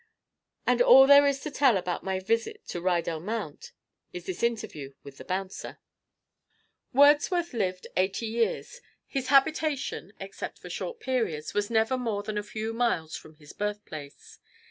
And all there is to tell about my visit to Rydal Mount is this interview with the bouncer. Wordsworth lived eighty years. His habitation, except for short periods, was never more than a few miles from his birthplace.